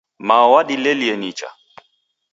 Mao wadilelie nicha